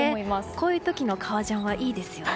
こういう時の革ジャンはいいですよね。